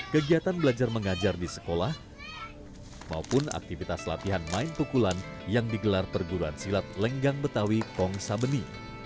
kegiatan belajar mengajar di sekolah maupun aktivitas latihan main pukulan yang digelar perguruan silat lenggang betawi kong sabeni